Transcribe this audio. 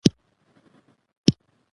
دا عنصر د هغوي په ترکیب کې شامل دي.